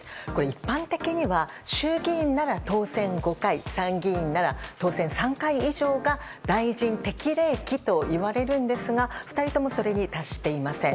一般的には、衆議院なら当選５回参議院なら当選３回以上が大臣適齢期といわれるんですが２人とも、それに達していません。